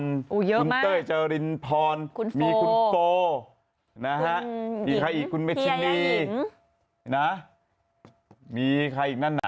คุณเต้ยเจริญพรคุณโฟมีคุณโกมีใครอีกคุณเมธินีมีใครอีกนั้นนะ